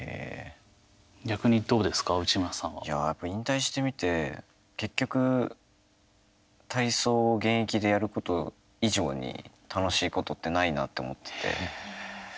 逆にどうですか、内村さんは。やっぱり引退してみて結局体操を現役でやること以上に楽しいことってないなと思ってて。